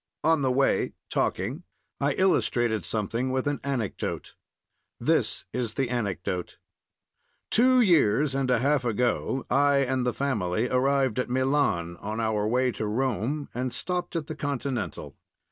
On the way, talking, I illustrated something with an anecdote. This is the anecdote: Two years and a half ago I and the family arrived at Milan on our way to Rome, and stopped at the Continental.